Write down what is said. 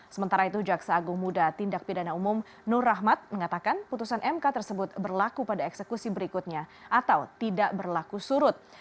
sementara itu jaksa agung muda tindak pidana umum nur rahmat mengatakan putusan mk tersebut berlaku pada eksekusi berikutnya atau tidak berlaku surut